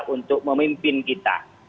untuk memimpin kita